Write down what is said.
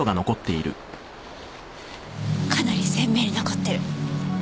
かなり鮮明に残ってる。